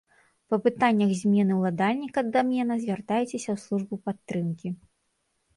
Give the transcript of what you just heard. Па пытаннях змены ўладальніка дамена звяртайцеся ў службу падтрымкі.